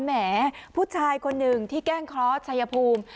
แหมผู้ชายคนหนึ่งที่แกล้งเคราะห์ชายภูมิ